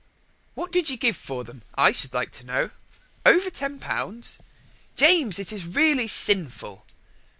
What did you give for them, I should like to know? Over Ten Pounds? James, it is really sinful.